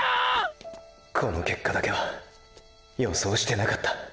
この結果だけは予想してなかった。